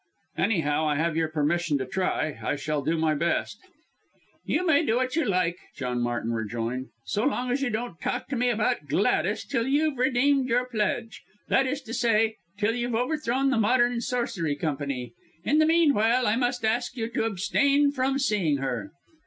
"Anyhow, I have your permission to try. I shall do my best." "You may do what you like," John Martin rejoined, "so long as you don't talk to me again about Gladys till you've redeemed your pledge, that is to say, till you've overthrown the Modern Sorcery Company. In the meanwhile, I must ask you to abstain from seeing her."